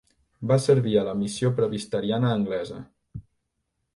Va servir a la missió presbiteriana anglesa.